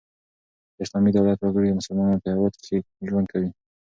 د اسلامي دولت وګړي د مسلمانانو په هيواد کښي ژوند کوي.